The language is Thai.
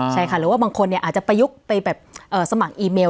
ใช่ค่ะหรือว่าบางคนอาจจะประยุกต์ไปแบบสมัครอีเมล